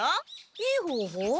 いいほうほう？